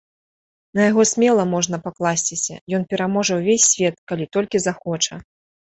На яго смела можна пакласціся, ён пераможа ўвесь свет, калі толькі захоча.